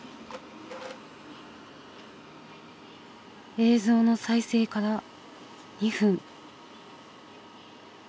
映像の再生から２分。